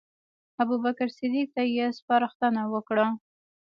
ابوبکر صدیق ته یې سپارښتنه وکړه.